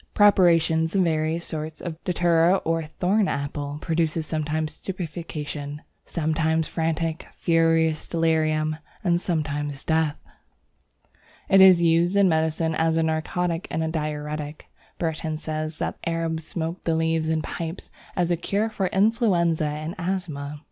Preparations of various sorts of Datura or Thorn apple produce sometimes stupefaction, sometimes frantic, furious delirium, and sometimes death. It is used in medicine as a narcotic and diuretic. Burton says that the Arabs smoke the leaves in pipes as a cure for influenza and asthma.